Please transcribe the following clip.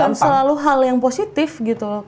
bukan selalu hal yang positif gitu